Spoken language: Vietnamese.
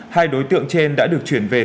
hai đối tượng trên đã được chuyển về thay đổi